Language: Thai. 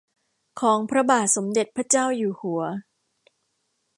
ของพระบาทสมเด็จพระเจ้าอยู่หัว